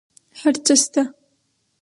هر څه شته